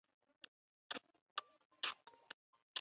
祖父陈赐全。